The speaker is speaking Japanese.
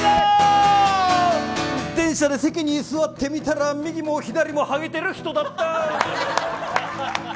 電車で席に座ってみたら右も左もはげてる人だった。